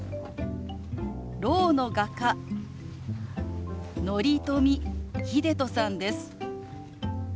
ろうの画家乘富秀人さんです。